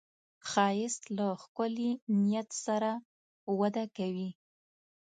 ښایست له ښکلي نیت سره وده کوي